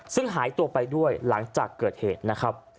ซึ่งหายตัวไปด้วยหลังจากเกิดเหตุนะครับ